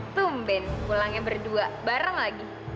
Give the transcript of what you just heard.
tumben pulangnya berdua bareng lagi